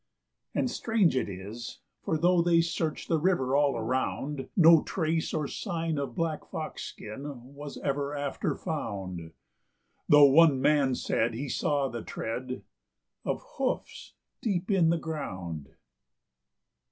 And strange it is; for, though they searched the river all around, No trace or sign of black fox skin was ever after found; Though one man said he saw the tread of HOOFS deep in the ground.